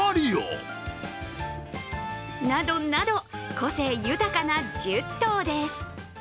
個性豊かな１０頭です。